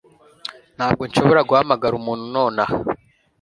Ntabwo nshobora guhamagara umuntu nonaha